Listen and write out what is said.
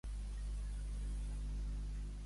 Què s'assoliria d'aquesta manera, doncs?